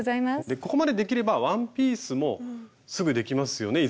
でここまでできればワンピースもすぐできますよね？